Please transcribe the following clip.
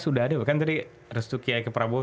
sudah ada bahkan tadi restu kiai ke prabowo